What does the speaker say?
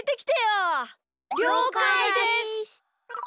りょうかいです！